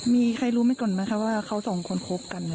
มีใครรู้ไหมก่อนไหมคะว่าเขาสองคนคบกัน